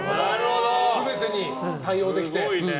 全てに対応できて。